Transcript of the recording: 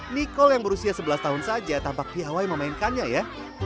niko yang berusia sebelas tahun saja tampak piawai memainkannya ya